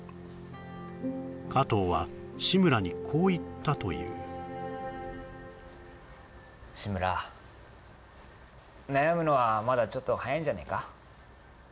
加藤は志村にこう言ったという志村悩むのはまだちょっと早いんじゃねえか？